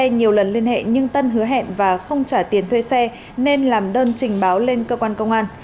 nhưng tân hứa hẹn và không trả tiền thuê xe nên làm đơn trình báo lên cơ quan công an